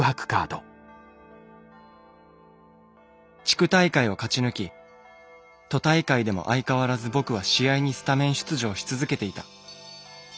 「地区大会を勝ち抜き都大会でも相変わらず僕は試合にスタメン出場し続けていた。